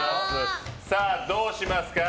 さあ、どうしますか？